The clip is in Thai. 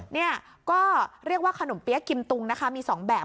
เนี่ยก็เรียกว่าขนมเปี๊ยะกิมตุงนะคะมี๒แบบ